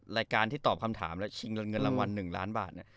รายการที่ตอบคำถามและชิงเงินรางวัล๑ล้านบาทเนี่ย